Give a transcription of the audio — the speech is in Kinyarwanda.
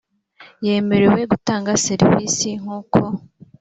yemerewe gutanga serivisi nk uko